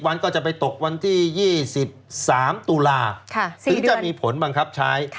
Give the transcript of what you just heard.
๑๒๐วันก็จะไปตกวันที่๒๓ตุลาค์คือจะมีผลบังคับชาย